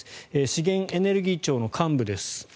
資源エネルギー庁の幹部です。